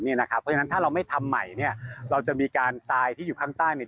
เพราะฉะนั้นถ้าเราไม่ทำใหม่เนี่ยเราจะมีการทรายที่อยู่ข้างใต้เนี่ย